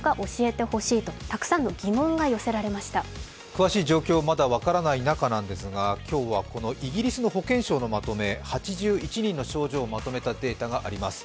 詳しい状況、まだ分からない中なんですが今日はイギリスの保健省のまとめ、８１人の症状をまとめたデータがあります。